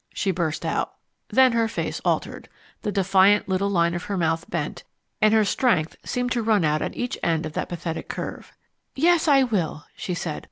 she burst out. Then her face altered. The defiant little line of her mouth bent and her strength seemed to run out at each end of that pathetic curve. "Yes, I will," she said.